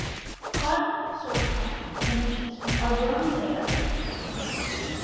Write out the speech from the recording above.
Cotton, sorghum and wheat are grown in the area.